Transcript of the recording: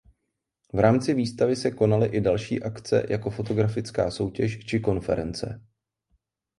V rámci výstavy se konaly i další akce jako fotografická soutěž či konference.